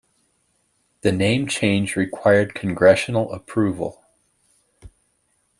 The name change required congressional approval.